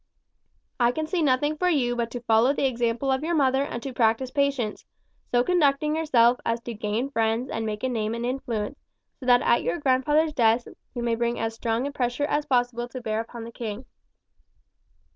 I can see nothing for you but to follow the example of your mother and to practise patience, so conducting yourself as to gain friends and make a name and influence, so that at your grandfather's death we may bring as strong a pressure as possible to bear upon the king."